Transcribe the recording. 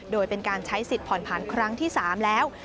โดยเป็นการใช้สิทธิ์ผ่อนผันครั้งที่๓แล้ว